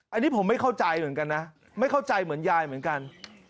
อันนี้ผมไม่เข้าใจเหมือนกันนะไม่เข้าใจเหมือนยายเหมือนกัน